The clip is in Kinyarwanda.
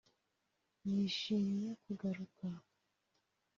ni ishimye kugaruka